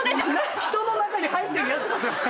人の中に入ってるやつですよね。